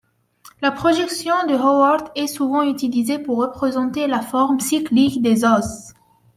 La projection de Haworth est souvent utilisée pour représenter la forme cyclique des oses.